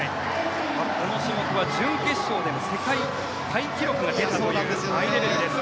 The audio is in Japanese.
この種目は準決勝で世界タイ記録が出たというハイレベルです。